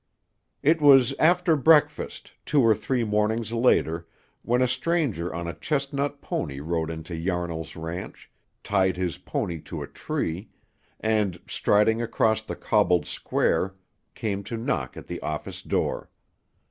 It was after breakfast, two or three mornings later, when a stranger on a chestnut pony rode into Yarnall's ranch, tied his pony to a tree, and, striding across the cobbled square, came to knock at the office door.